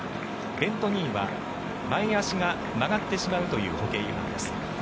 ベント・ニーは前足が曲がってしまうという歩型違反です。